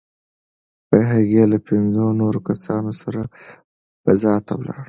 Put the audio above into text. هغې له پنځو نورو کسانو سره فضا ته ولاړه.